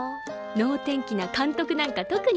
能天気な監督なんか特に！